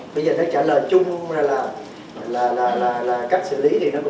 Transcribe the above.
bây giờ nó trả lời chung là cách xử lý thì nó cũng khó